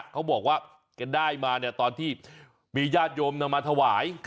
เขาบอกว่าแกได้มาเนี่ยตอนที่มีญาติโยมนำมาถวาย